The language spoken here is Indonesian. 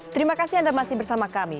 terima kasih anda masih bersama kami